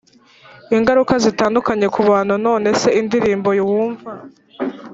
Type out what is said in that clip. ingaruka zitandukanye ku bantu None se indirimbo wumva